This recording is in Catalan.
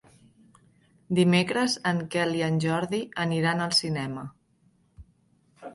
Dimecres en Quel i en Jordi aniran al cinema.